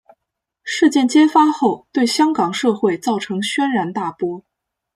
事件揭发后对香港社会造成轩然大波。